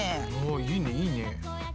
うんいいねいいね。